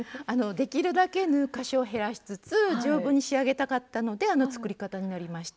できるだけ縫う箇所を減らしつつ丈夫に仕上げたかったのであの作り方になりました。